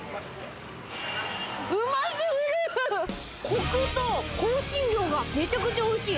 コクと香辛料がめちゃくちゃおいしい。